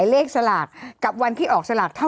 ยังไม่ได้ตอบรับหรือเปล่ายังไม่ได้ตอบรับหรือเปล่า